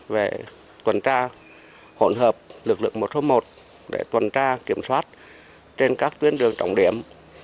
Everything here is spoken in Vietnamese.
về tuần tra hỗn hợp lực lượng một số một để tuần tra kiểm soát trên các tuyên đường trọng điểm